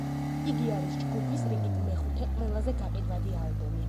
იგი არის ჯგუფის რიგით მეხუთე ყველაზე გაყიდვადი ალბომი.